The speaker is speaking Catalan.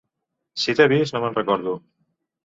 Si t'he vist, no me'n recordo.